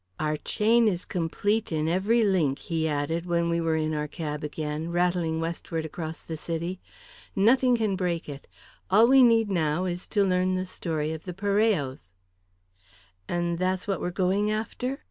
"Our chain is complete in every link," he added, when we were in our cab again, rattling westward across the city. "Nothing can break it. All we need now is to learn the story of the Parellos." "And that's what we're going after?"